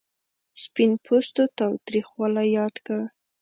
سپین پوستو تاوتریخوالی یاد کړ.